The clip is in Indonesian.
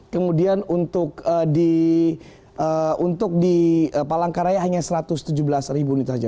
kemudian untuk di palangkaraya hanya satu ratus tujuh belas ribu unit saja